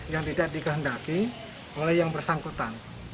yang tidak dikehendaki oleh yang bersangkutan